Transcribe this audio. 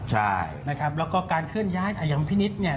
แล้วก็การเคลื่อนย้ายอย่างพินิษฐ์เนี่ย